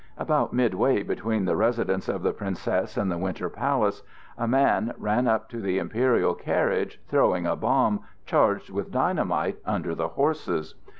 About midway between the residence of the Princess and the Winter Palace a man ran up to the imperial carriage throwing a bomb charged with dynamite under the horses.